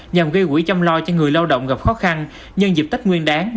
nhằm gây quỹ chăm lo cho người lao động gặp khó khăn nhân dịp tết nguyên đáng